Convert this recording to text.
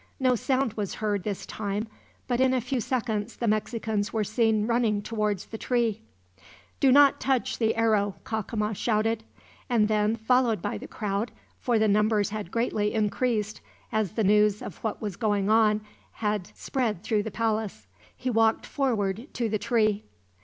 No sound was heard this time, but in a few seconds the Mexicans were seen running towards the tree. "Do not touch the arrow," Cacama shouted; and then, followed by the crowd, for the numbers had greatly increased, as the news of what was going on had spread through the palace, he walked forward to the tree.